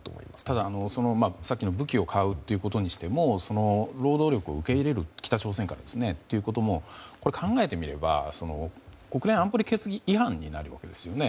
ただ、さっきの武器を買うということにしても北朝鮮から労働力を受け入れることも考えてみれば国連安保理決議違反になるわけですよね。